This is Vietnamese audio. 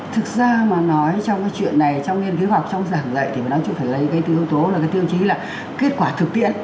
thực ra mà nói trong cái chuyện này trong nghiên cứu khoa học trong giảng dạy thì mình nói chung phải lấy cái tiêu chí là kết quả thực tiễn